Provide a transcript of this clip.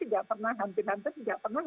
tidak pernah hampir hampir tidak pernah